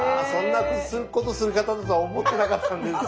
そんなことする方だとは思ってなかったんで。